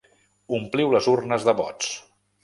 Ompliu les urnes de vots.